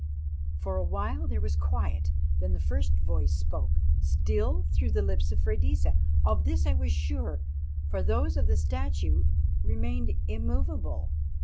For a while there was quiet; then the first voice spoke, still through the lips of Freydisa. Of this I was sure, for those of the statue remained immovable.